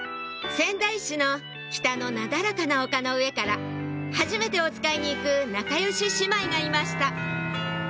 仙台市の北のなだらかな丘の上からはじめておつかいに行く仲良し姉妹がいました